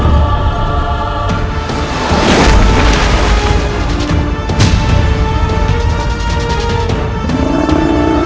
ojojojo anaknya juragan berat